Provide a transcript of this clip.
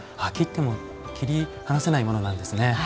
切っても切り離せないものなんですね。